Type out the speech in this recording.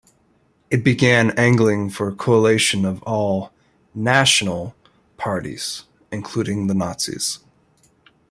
It began angling for a coalition of all "national" parties--including the Nazis.